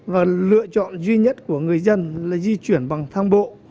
và lựa chọn duy nhất của người dân là di chuyển bằng thang bộ